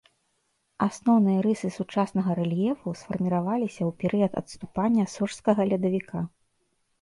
Асноўныя рысы сучаснага рэльефу сфарміраваліся ў перыяд адступання сожскага ледавіка.